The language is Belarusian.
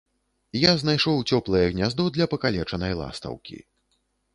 Я знайшоў цёплае гняздо для пакалечанай ластаўкі.